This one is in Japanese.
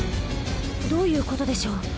どういうことでしょう？